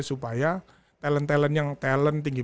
supaya talent talent yang talent tinggi